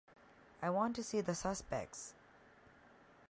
I want to see the suspects.